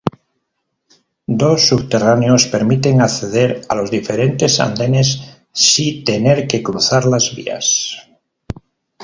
Dos subterráneos permiten acceder a los diferentes andenes si tener que cruzar las vías.